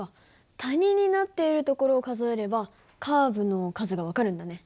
谷になっているところを数えればカーブの数が分かるんだね。